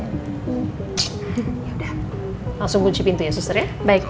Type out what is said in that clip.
yaudah langsung kunci pintunya suster ya baik